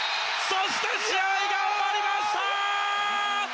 そして試合が終わりました！